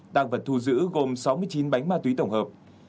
tăng vật thu giữ gồm sáu mươi chín bánh ma túy tổng hợp